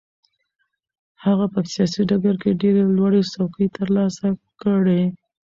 هغه په سیاسي ډګر کې ډېرې لوړې څوکې ترلاسه کړې.